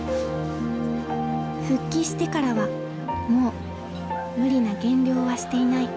復帰してからはもう無理な減量はしていない。